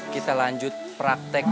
kita lanjut praktek